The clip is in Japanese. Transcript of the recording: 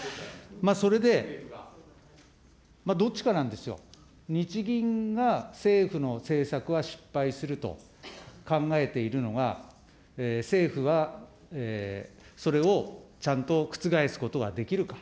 それでどっちかなんですよ、日銀が政府の政策は失敗すると考えているのが、政府はそれをちゃんと覆すことができるか。